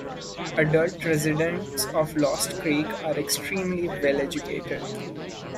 Adult residents of Lost Creek are extremely well educated.